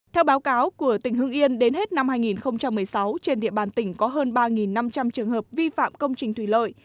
theo báo cáo của tỉnh hưng yên đến hết năm hai nghìn một mươi sáu trên địa bàn tỉnh có hơn ba năm trăm linh trường hợp vi phạm công trình thủy lợi